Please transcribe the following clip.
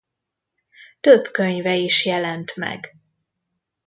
Több könyve is jelent meg.